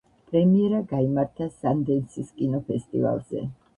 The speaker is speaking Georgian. პრემიერა გაიმართა სანდენსის კინოფესტივალზე.